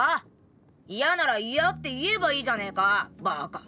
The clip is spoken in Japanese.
嫌なら嫌って言えばいいじゃねえかバカ。